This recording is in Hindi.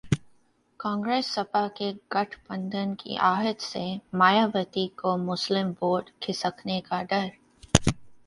कांग्रेस-सपा के गठबंधन की आहट से मायावती को मुस्लिम वोट खिसकने का डर!